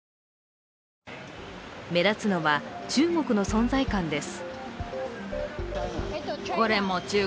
目立つのは、中国の存在感です。